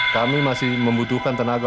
kami masih membutuhkan tenaga